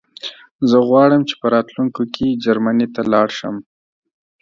زه غواړم چې په راتلونکي کې جرمنی ته لاړ شم